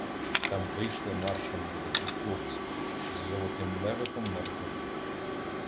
Там вийшли маршем молоді хлопці. З "золотим левиком" на рукаві.